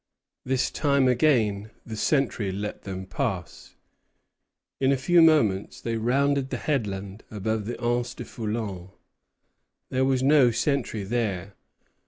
This time, again, the sentry let them pass. In a few moments they rounded the headland above the Anse du Foulon. There was no sentry there.